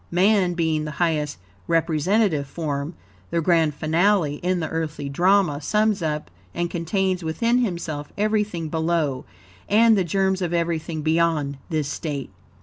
Man being the highest representative form the grand finale in the earthly drama sums up and contains within himself everything below, and THE GERMS OF EVERYTHING BEYOND, THIS STATE.